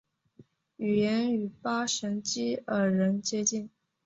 语言与巴什基尔人接近。